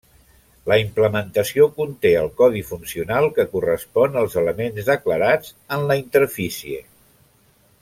La implementació conté el codi funcional que correspon als elements declarats en la interfície.